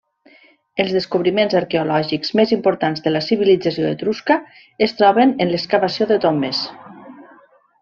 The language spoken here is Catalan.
Els descobriments arqueològics més importants de la civilització etrusca es troben en l'excavació de tombes.